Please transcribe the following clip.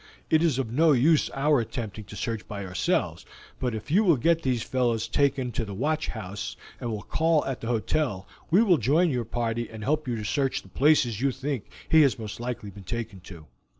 It is of no use our attempting to search by ourselves, but if you will get these fellows taken to the watch house, and will call at the hotel, we will join your party and help you to search the places you think he has most likely been taken to."